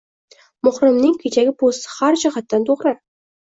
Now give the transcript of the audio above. Muhrimning kechagi posti har jihatdan to'g'ri